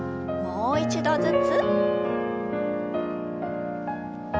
もう一度ずつ。